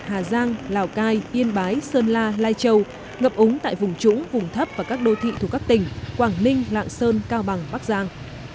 hà giang lào cai yên bái sơn la lai châu ngập ống tại vùng trũng vùng thấp và các đô thị thuộc các tỉnh quảng ninh lạng sơn cao bằng bắc giang